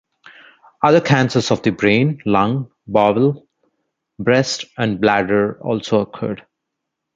Other cancers of the brain, lung, bowel, breast, and bladder also occurred.